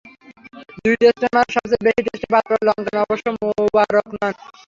দুই টেস্টের মাঝে সবচেয়ে বেশি টেস্টে বাদ পড়া লঙ্কান অবশ্য মুবারক নন।